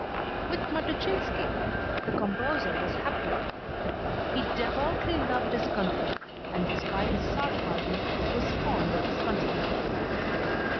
With Matuszysnki the composer was happier. He devoutly loved his country and despite his sarcasm was fond of his countrymen.